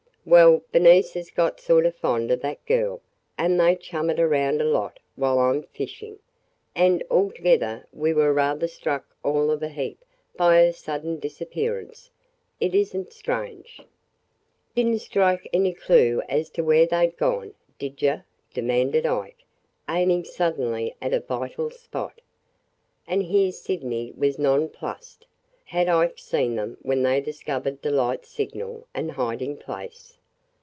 "Well, Bernice has got sort of fond of that girl and they chum it around a lot while I 'm fishing, and altogether we were rather struck all of a heap by her sudden disappearance. It is n't strange." "Did n't strike any clue as to where they 'd gone, did you?" demanded Ike, aiming suddenly at a vital spot. And here Sydney was nonplussed. Had Ike seen them when they discovered Delight's signal and hiding place?